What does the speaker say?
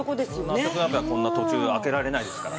全くこんな途中で開けられないですから。